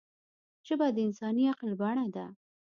ژبه د انساني عقل بڼه ده